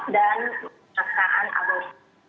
dan perasaan abor